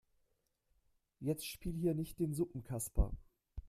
Jetzt spiel hier nicht den Suppenkasper.